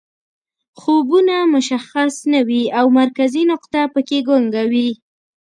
خوبونه مشخص نه وي او مرکزي نقطه پکې ګونګه وي